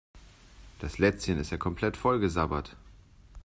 Das Lätzchen ist ja komplett vollgesabbert.